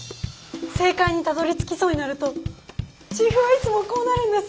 正解にたどりつきそうになるとチーフはいつもこうなるんです。